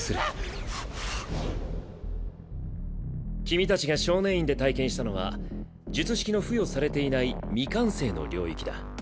君たちが少年院で体験したのは術式の付与されていない未完成の領域だ。